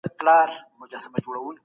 د واک وېش تر واک انحصارولو زيات ډاډمن دی.